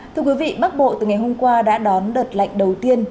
thưa quý vị bắc bộ từ ngày hôm qua đã đón đợt lạnh đầu tiên